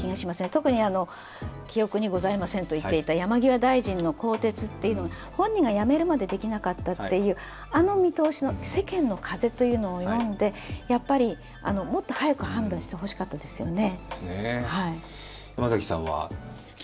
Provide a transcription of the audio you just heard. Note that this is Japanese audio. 特に記憶にございませんといっていた山際大臣の更迭、本人が辞めるまでできなかったという、あの見通しの、世間の風というのを読んで、もっと早く判断してもらいたかったですよね。